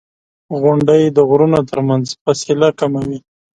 • غونډۍ د غرونو ترمنځ فاصله کموي.